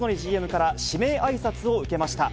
ＧＭから、指名あいさつを受けました。